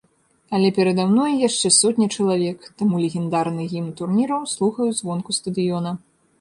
Але перада мной яшчэ сотня чалавек, таму легендарны гімн турніру слухаю звонку стадыёна.